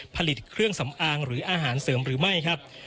ผลิตเครื่องสำอางหรืออาหารเสริมหรือไม่ครับ